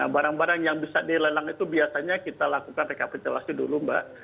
barang barang yang bisa dilelang itu biasanya kita lakukan rekapitulasi dulu mbak